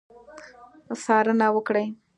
څارنه وکړي.